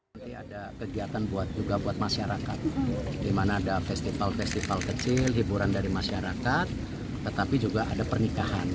nanti ada kegiatan juga buat masyarakat di mana ada festival festival kecil hiburan dari masyarakat tetapi juga ada pernikahan